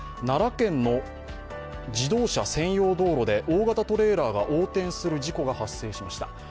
奈良県の自動車専用道路で大型トレーラーが横転する事故が発生しました。